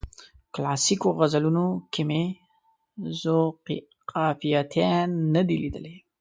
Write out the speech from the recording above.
کلاسیکو غزلونو کې مې ذوقافیتین نه دی لیدلی.